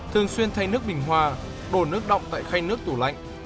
thường xuyên thay nước bình hòa đổ nước đọng tại khay nước tủ lạnh